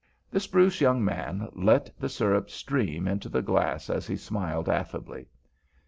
The spruce young man let the syrup stream into the glass as he smiled affably.